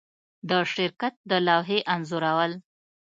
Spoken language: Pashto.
د شرکت د لوحې انځورول